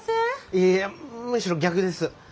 いえいえむしろ逆です。